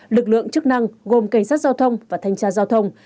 lực lượng chức năng gồm cảnh sát giao thông và thanh tra giao thông